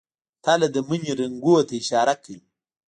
تله د مني رنګونو ته اشاره کوي.